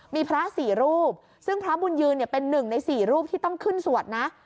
มีพระสี่รูปซึ่งพระบุญยืนเนี่ยเป็นหนึ่งในสี่รูปที่ต้องขึ้นสวดนะ